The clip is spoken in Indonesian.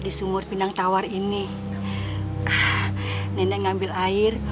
jauh jauh kesini buat apa nenek ambil air